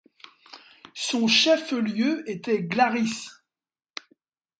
Son chef-lieu était Glaris.